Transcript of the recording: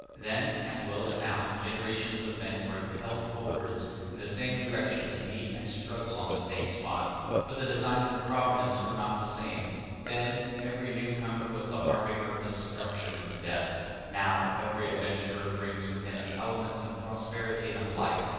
Then, as well as now, generations of men were impelled forwards in the same direction to meet and struggle on the same spot; but the designs of Providence were not the same; then, every newcomer was the harbinger of destruction and of death; now, every adventurer brings with him the elements of prosperity and of life.